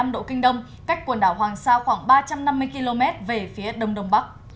một trăm một mươi năm năm độ kinh đông cách quần đảo hoàng sa khoảng ba trăm năm mươi km về phía đông đông bắc